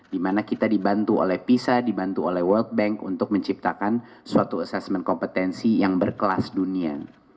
dimana kita dibantu oleh pisa dibantu oleh world bank untuk menciptakan suatu assessment kompetensi yang berkelas dunia